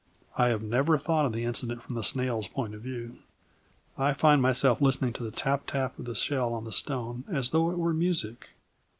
I have never thought of the incident from the snail's point of view. I find myself listening to the tap tap of the shell on the stone as though it were music.